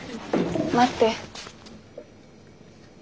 待って。